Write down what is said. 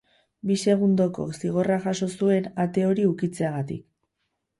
Bi segundoko zigorra jaso zuen ate hori ukitzeagatik.